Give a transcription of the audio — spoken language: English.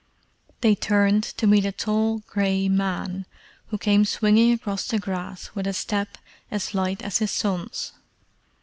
They turned to meet a tall grey man who came swinging across the grass with a step as light as his son's.